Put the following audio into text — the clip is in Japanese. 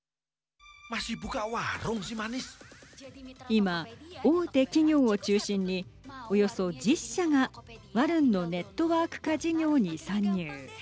今、大手企業を中心におよそ１０社がワルンのネットワーク化事業に参入。